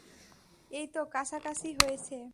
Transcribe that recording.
এইতো কাছাকাছি হয়েছে।